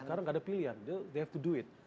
sekarang tidak ada pilihan they have to do it